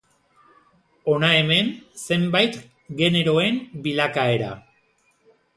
Hona hemen zenbait generoen bilakaera.